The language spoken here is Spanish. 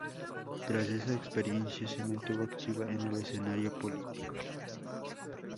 Tras esa experiencia se mantuvo activa en el escenario político.